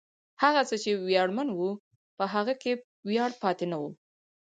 هغه څه چې ویاړمن و، په هغه کې ویاړ پاتې نه و.